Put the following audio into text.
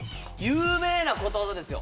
有名なことわざですよ